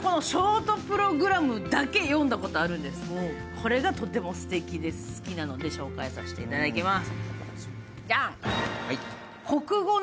これがとても好きなので紹介させていただきます。